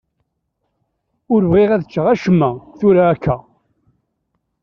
Ur bɣiɣ ad ččeɣ acemma tura akka.